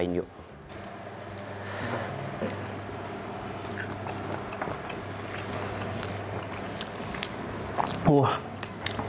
kita cobain yuk